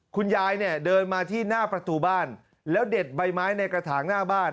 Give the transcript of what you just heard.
คุณยายเนี่ยเดินมาที่หน้าประตูบ้านแล้วเด็ดใบไม้ในกระถางหน้าบ้าน